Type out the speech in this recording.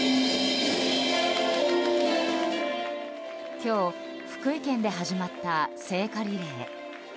今日、福井県で始まった聖火リレー。